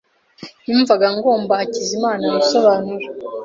Numvaga ngomba Hakizimana ibisobanuro.